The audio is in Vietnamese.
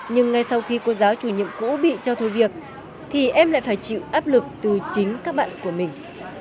nhưng ngay sau khi cô giáo chủ nhiệm cũ bị cho thôi việc thì em lại phải chịu áp lực từ chính các bạn của mình